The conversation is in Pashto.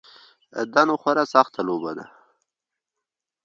دا نو خورا سخته لوبه ده.